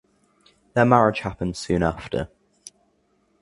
Their marriage happens soon after.